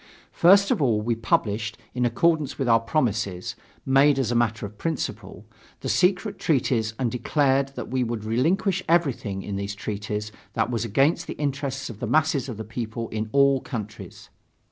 First of all, we published, in accordance with our promises, made as a matter of principle, the secret treaties and declared that we would relinquish everything in these treaties that was against the interests of the masses of the people in all countries.